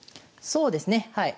そうですねはい。